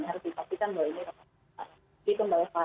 harus dipastikan bahwa ini akan dikembali